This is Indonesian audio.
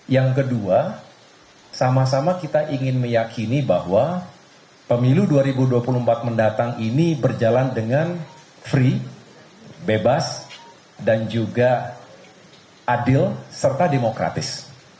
yang kedua sama sama kita ingin meyakini bahwa pemilu dua ribu dua puluh empat mendatang ini berjalan dengan free bebas dan juga adil serta demokratis